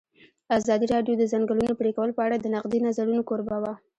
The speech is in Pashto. ازادي راډیو د د ځنګلونو پرېکول په اړه د نقدي نظرونو کوربه وه.